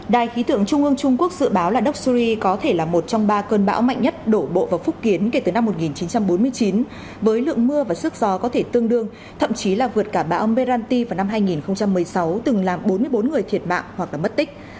đài khí tượng trung ương trung quốc dự báo là doxury có thể là một trong ba cơn bão mạnh nhất đổ bộ vào phúc kiến kể từ năm một nghìn chín trăm bốn mươi chín với lượng mưa và sức gió có thể tương đương thậm chí là vượt cả bão berranti vào năm hai nghìn một mươi sáu từng làm bốn mươi bốn người thiệt mạng hoặc mất tích